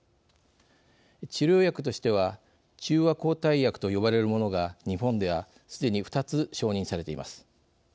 治療薬としては中和抗体薬と呼ばれるものが日本では、すでに２つ承認されています。